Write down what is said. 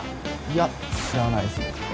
いや知らないですね。